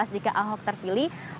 jika ahok terpilih